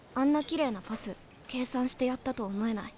きれいなパス計算してやったと思えない。